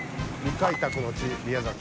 未開拓の地宮崎。